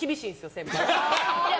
先輩。